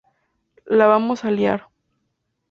La vamos a liar!!